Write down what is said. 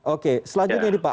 oke selanjutnya nih pak